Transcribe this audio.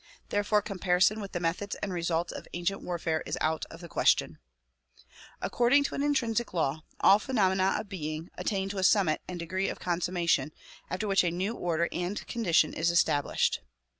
Therefore comparison with the methods and results of ancient war fare is out of the question. According to an intrinsic law, all phenomena of being attain to a summit and degree of consummation, after which a new order and 120 THE PROMULGATION OF UNIVERSAL PEACE condition is established.